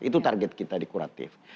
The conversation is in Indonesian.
itu target kita di kuratif